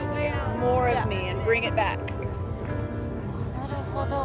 なるほど。